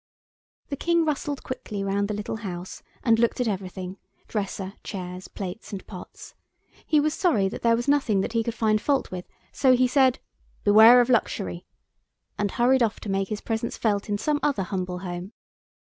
The King rustled quickly round the little house, and looked at everything—dresser, chairs, plates and pots. He was sorry that there was nothing that he could find fault with, so he said, "Beware of Luxury," and hurried off to make his presence felt in some other humble home.